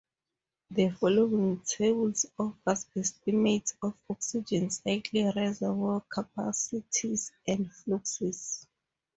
The following tables offer estimates of oxygen cycle reservoir capacities and fluxes.